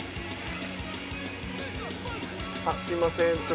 あっすみません